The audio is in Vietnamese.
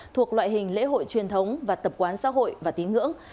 thuộc loại hình lễ hội truyền thống và tập quán xã hội và tín ngưỡng